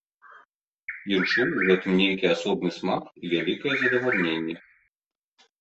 Ён чуў у гэтым нейкі асобны смак і вялікае задавальненне.